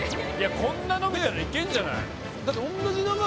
こんな伸びたらいけんじゃない？